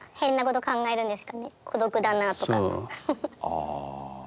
ああ。